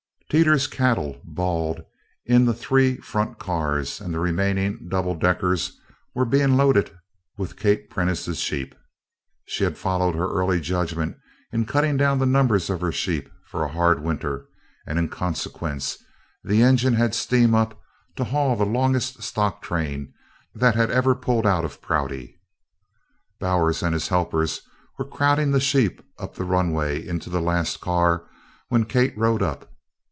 Teeters's cattle bawled in the three front cars and the remaining "double deckers" were being loaded with Kate Prentice's sheep. She had followed her early judgment in cutting down the number of her sheep for a hard winter and, in consequence, the engine had steam up to haul the longest stock train that had ever pulled out of Prouty. Bowers and his helpers were crowding the sheep up the runway into the last car when Kate rode up.